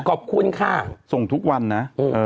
ขอบคุณค่ะส่งทุกวันนะ